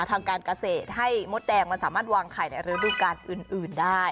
ทางการเกษตรให้มดแดงมันสามารถวางไข่ในฤดูการอื่นได้